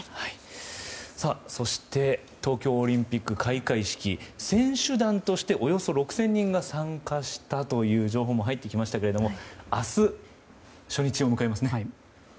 そして東京オリンピック開会式選手団としておよそ６０００人が参加したという情報も入ってきましたが明日、初日を迎えますね。